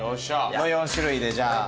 の４種類でじゃあ。